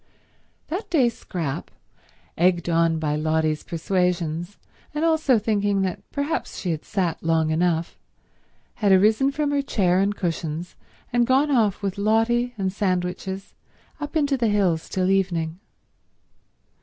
.. That day Scrap, egged on by Lotty's persuasions and also thinking that perhaps she had sat long enough, had arisen from her chair and cushions and gone off with Lotty and sandwiches up into the hills till evening.